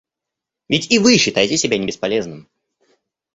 Ведь и вы считаете себя не бесполезным.